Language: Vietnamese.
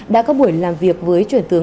đã có buổi làm việc với truyền thống